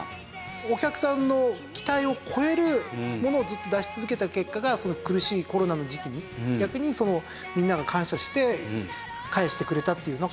お客さんの期待を超えるものをずっと出し続けた結果が苦しいコロナの時期に逆にみんなが感謝して返してくれたっていう。